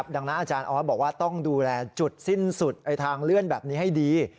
ดังนั้นอาจารย์ออสบอกว่าต้องดูแลจุดสิ้นสุดทางเลื่อนแบบนี้ให้ดี